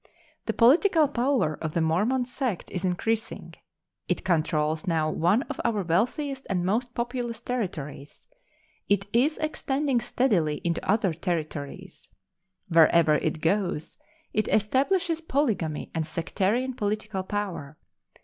The political power of the Mormon sect is increasing. It controls now one of our wealthiest and most populous Territories. It is extending steadily into other Territories. Wherever it goes it establishes polygamy and sectarian political power.